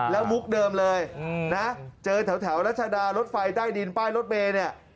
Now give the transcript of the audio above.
แล้วมุกเดิมเลยนะเจอแถวรัชดารถไฟใต้ดินป้ายรถเมย์เนี่ย